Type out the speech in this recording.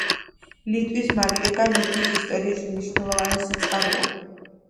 ლიტვის მეტრიკა ლიტვის ისტორიის უმნიშვნელოვანესი წყაროა.